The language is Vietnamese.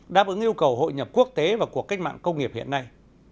đáp ứng yêu cầu hội nhập quốc tế và cuộc cách mạng công nghiệp hiện nay